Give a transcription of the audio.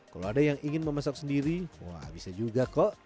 kalau ada yang ingin memasak sendiri wah bisa juga kok